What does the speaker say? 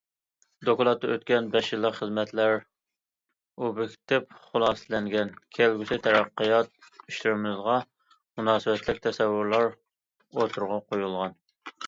دوكلاتتا ئۆتكەن بەش يىللىق خىزمەتلەر ئوبيېكتىپ خۇلاسىلەنگەن، كەلگۈسى تەرەققىيات ئىشلىرىمىزغا مۇناسىۋەتلىك تەسەۋۋۇرلار ئوتتۇرىغا قويۇلغان.